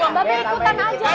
mbak pe ikutan aja